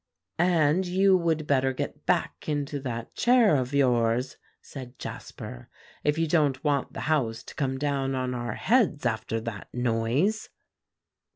"And you would better get back into that chair of yours," said Jasper, "if you don't want the house to come down on our heads after that noise."